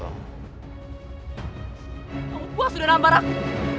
kamu puas udah nampak aku